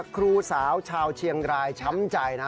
ครูสาวชาวเชียงรายช้ำใจนะ